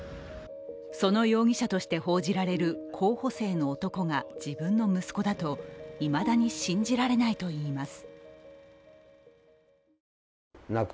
その容疑者として報じられる候補生の男が自分の息子だといまだに信じられないと言います。